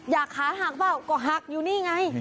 อยากค้าหักเปล่ากะหักอยู่นี่ไง